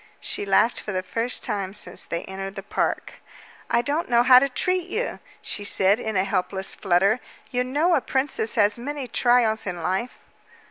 She laughed for the first time since they entered the park. "I don't know how to treat you," she said in a helpless flutter. "You know a princess has many trials in life."